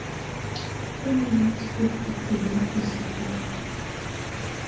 He may not speak of the moon as the moon.